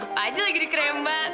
untuk aja lagi dikerembat